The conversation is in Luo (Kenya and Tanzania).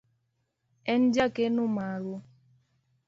En jakeno maru.